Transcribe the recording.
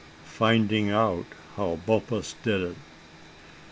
FINDING OUT HOW BUMPUS DID IT.